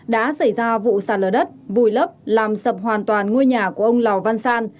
đã xảy ra vụ sạt lở đất vùi lấp làm sập hoàn toàn ngôi nhà của ông lò văn san